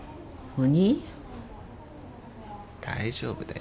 大丈夫だよ。